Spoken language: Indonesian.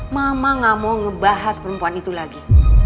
mama gak mau ngebahas perempuan itu lagi